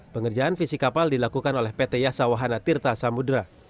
pengerjaan visi kapal dilakukan oleh pt yasawahana tirta samudera